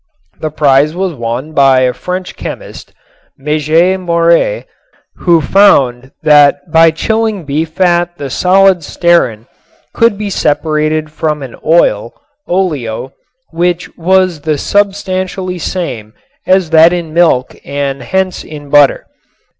The prize was won by a French chemist, Mége Mouries, who found that by chilling beef fat the solid stearin could be separated from an oil (oleo) which was the substantially same as that in milk and hence in butter.